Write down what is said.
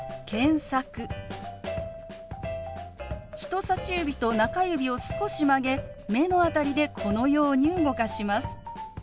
人さし指と中指を少し曲げ目の辺りでこのように動かします。